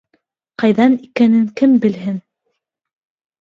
Ҡайҙан икәнен кем белһен...